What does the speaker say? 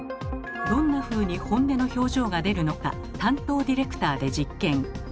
どんなふうに本音の表情が出るのか担当ディレクターで実験。